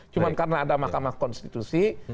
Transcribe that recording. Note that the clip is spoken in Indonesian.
cuma karena ada mahkamah konstitusi